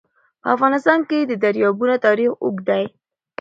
په افغانستان کې د دریابونه تاریخ اوږد دی.